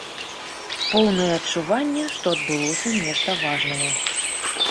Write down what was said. Поўнае адчуванне, што адбылося нешта важнае.